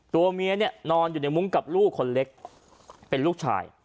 ตัวเมียเนี่ยนอนอยู่ในมุ้งกับลูกคนเล็กเป็นลูกชาย